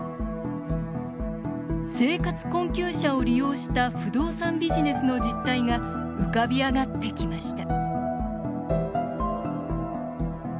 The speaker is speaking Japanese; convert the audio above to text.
生活困窮者を利用した不動産ビジネスの実態が浮かび上がってきました